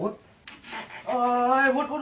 อุ๊ดดีอยู่หรือ